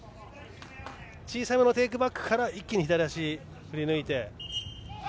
小さめのテイクバックから一気に左足を振り抜いて。